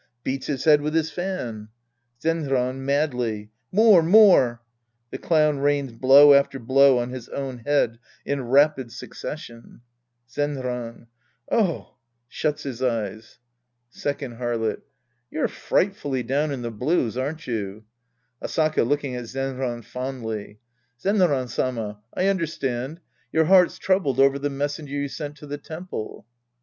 {Beats hi" head with his fan!) Zenran {madly). More, more. {^he Clown rains blow after blow on his own head in rapid succession!) Zenran. Oh I {Shuts his eyes!) Sc. I The Priest and His Disciples vol Second Harlot. You're frightfully down in the blues, aren't you ? Asaka {looking at Zebra's fondly). Zenran Sama. I understand. Your heart's troubled over the mes senger you sent to the temple.